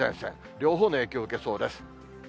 両方の影響を受けそうです。